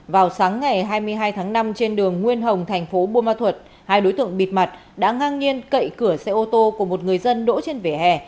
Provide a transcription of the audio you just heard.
vào sáng ngày hai mươi hai tháng năm trên đường nguyên hồng thành phố buôn ma thuật hai đối tượng bịt mặt đã ngang nhiên cậy cửa xe ô tô của một người dân đỗ trên vỉa hè